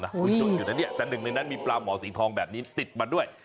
แต่หนึ่งในนั้นมีปลาหมอสีทองแบบนี้ติดมาด้วย